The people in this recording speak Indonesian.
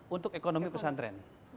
untuk ekonomi pesantren